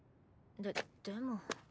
ででも。